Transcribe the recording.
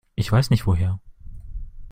Ich weiß nicht woher.